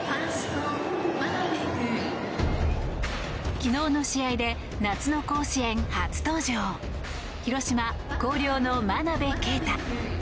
昨日の試合で夏の甲子園初登場広島・広陵の真鍋慧。